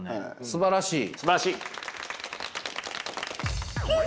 すばらしい。